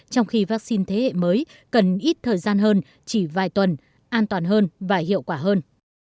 trong khi vaccine thế hệ mới cần ít thời gian hơn chỉ vài tuần an toàn hơn và hiệu quả hơn